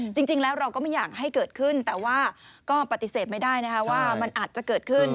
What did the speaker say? จริงแล้วเราก็ไม่อยากให้เกิดขึ้นแต่ว่าก็ปฏิเสธไม่ได้นะคะว่ามันอาจจะเกิดขึ้น